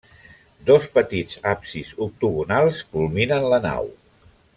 Dos petits absis octogonals culminen la nau.